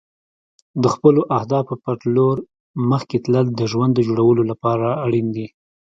د خپلو اهدافو په لور مخکې تلل د ژوند د جوړولو لپاره اړین دي.